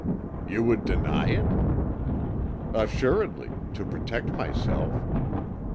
"You would deny it?" "Assuredly to protect myself."